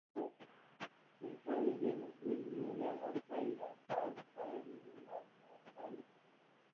She traded with India and Australia and twice carried immigrants to Australia.